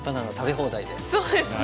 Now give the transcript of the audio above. そうですね。